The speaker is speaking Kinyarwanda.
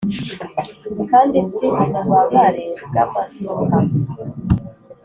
kandi si ububabare bw'amasuka!